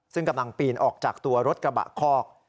ซึ่งกำลังปีนออกจากตัวรถกระบะคอก